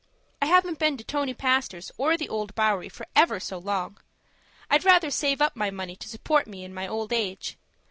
I haven't been to Tony Pastor's, or the Old Bowery, for ever so long. I'd rather save up my money to support me in my old age.